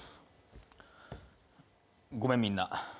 ごめんみんな。